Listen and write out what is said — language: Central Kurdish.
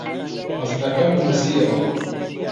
ڕستەکەم نووسییەوە.